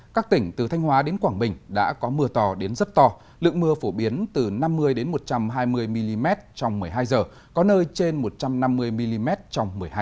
các tỉnh từ thanh hóa đến quảng bình đã có mưa to đến rất to lượng mưa phổ biến từ năm mươi một trăm hai mươi mm trong một mươi hai h có nơi trên một trăm năm mươi mm trong một mươi hai h